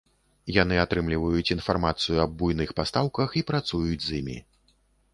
Яны атрымліваюць інфармацыю аб буйных пастаўках і працуюць з імі.